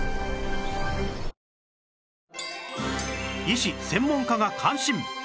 医師・専門家が感心